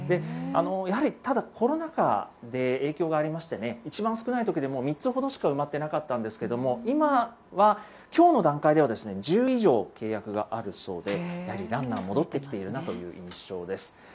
やはり、ただ、コロナ禍で影響がありまして、いちばん少ないときでも３つほどしか埋まってなかったんですけども、今は、きょうの段階では、１０以上契約があるそうで、やはりランナー、戻ってきているなという印象です。